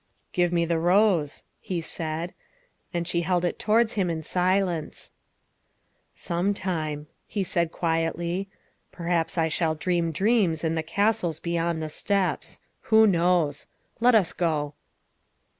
" Give me the rose," he said, and she held it towards him in silence. '' Sometime, '' he said quietly, '' perhaps I shall dream THE SECRETARY OF STATE 311 dreams in the castles beyond the steppes. Who knows? Let us go."